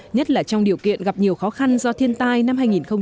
nhất là trong điều kiện gặp nhiều khó khăn do thiên tai năm hai nghìn một mươi chín